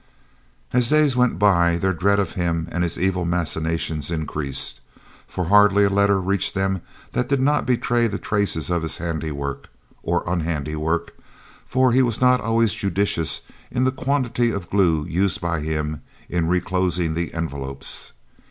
As the days went by, their dread of him and his evil machinations increased, for hardly a letter reached them that did not betray traces of his handiwork or unhandiwork, for he was not always judicious in the quantity of glue used by him in reclosing the envelopes.